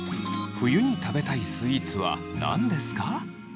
冬に食べたいスイーツは何ですか？